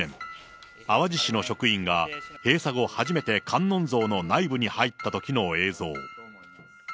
淡路市の職員が、閉鎖後初めて観音像の内部に入ったときの映像。